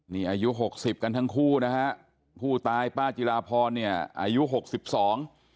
นี่อายุหกสิบกันทั้งคู่นะฮะผู้ตายป้าจิราพรเนี่ยอายุหกสิบสอง